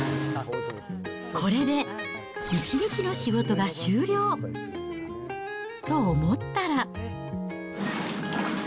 これで一日の仕事が終了！と思ったら。